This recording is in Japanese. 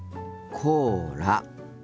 コーラ。